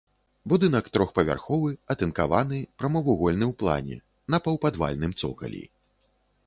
Будынак трохпавярховы, атынкаваны, прамавугольны ў плане, на паўпадвальным цокалі.